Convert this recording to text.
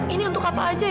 ini untuk apa aja ya